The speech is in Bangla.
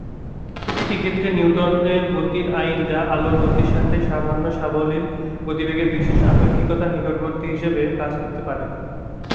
একটি ক্ষেত্রে নিউটনের গতির আইন, যা আলোর গতির সাথে সামান্য সাবলীল গতিবেগের বিশেষ আপেক্ষিকতার নিকটবর্তী হিসাবে কাজ করতে পারে।